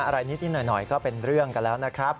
อะไรนิดหน่อยก็เป็นเรื่องกันแล้วนะครับ